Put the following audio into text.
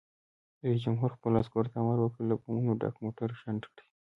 رئیس جمهور خپلو عسکرو ته امر وکړ؛ له بمونو ډک موټر شنډ کړئ!